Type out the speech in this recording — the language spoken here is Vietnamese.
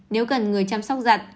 nếu cần người chăm sóc giặt